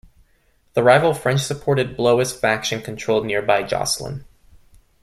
The rival French-supported Blois faction controlled nearby Josselin.